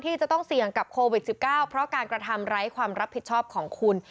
ที่จะต้องเสี่ยงกับโควิด๑๙เพราะการกระทำไร้ความรับผิดชอบของคุณ